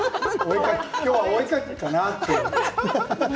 今日はお絵描きかなって。